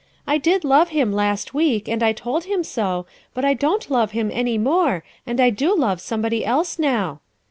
"I did love him last week and I told him so, but I don't love him any more and I do love somebody else now."